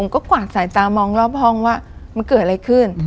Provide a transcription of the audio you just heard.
ก็กวาดสายตามองรอบห้องว่ามันเกิดอะไรขึ้น